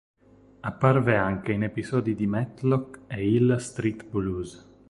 Apparve anche in episodi di "Matlock" e "Hill Street Blues".